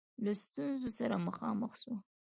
له ستونزو سره مخامخ سوه.